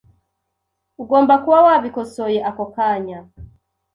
Ugomba kuba wabikosoye ako kanya.